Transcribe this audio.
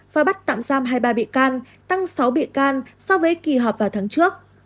và bắt tạm giam hai mươi ba bị can tăng sáu bị can so với kỳ họp vào tháng trước